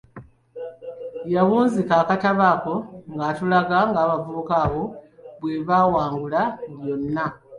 Yawunzika akatabo ako ng'atulaga ng'abavubuka abo bwebawangula mu byonna.